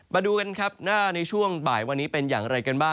มาดูข้างหน้าในช่วงบ่ายวันนี้เป็นอย่างไรน่ะ